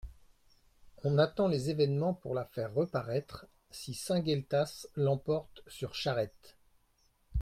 On attend les événements pour la faire reparaître, si Saint-Gueltas l'emporte sur Charette.